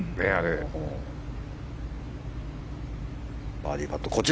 バーディーパット。